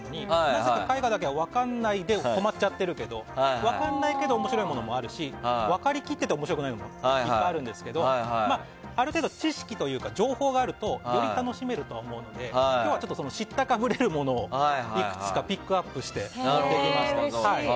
なぜか絵画だけは分からないで止まっちゃってるけど分からないけど面白いものもあるし分かり切っていても面白くないものもありますがある程度知識というか情報があるとより楽しめると思うので今日は知ったかぶれるものをいくつかピックアップしてお届けしようと。